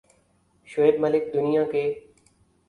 شعیب ملک دنیا کے